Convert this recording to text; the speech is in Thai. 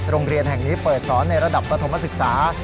โรงเรียนแห่งนี้เปิดสอนในระดับประถมศึกษา